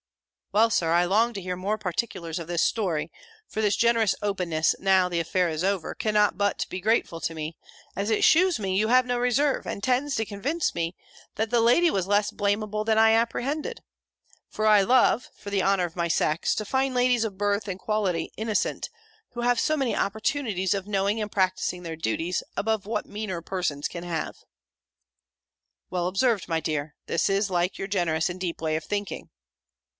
"Well, Sir, I long to hear more particulars of this story: for this generous openness, now the affair is over, cannot but be grateful to me, as it shews me you have no reserve, and tends to convince me, that the lady was less blameable than I apprehended: for I love, for the honour of my sex, to find ladies of birth and quality innocent, who have so many opportunities of knowing and practising their duties, above what meaner persons can have." "Well observed, my dear: this is like your generous and deep way of thinking."